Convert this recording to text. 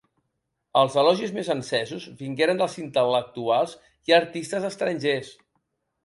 Els elogis més encesos vingueren dels intel·lectuals i artistes estrangers.